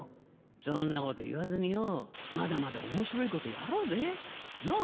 そんなこと言わずによまだまだ面白いことやろうぜ？なぁ？